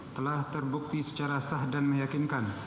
telah terbukti secara sah dan meyakinkan